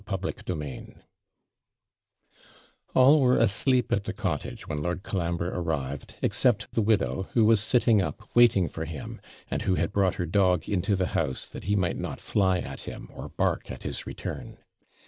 CHAPTER XII All were asleep at the cottage, when Lord Colambre arrived, except the widow, who was sitting up, waiting for him; and who had brought her dog into the house, that he might not fly at him, or bark at his return.